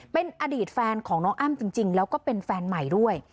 เป็นอดีตแฟนของน้องอ้ำจริงแล้วก็เป็นแฟนใหม่ด้วย